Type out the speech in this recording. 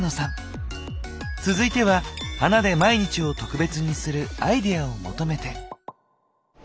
続いては「花で毎日を特別にするアイデア」を求めて。